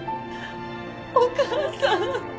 お母さん。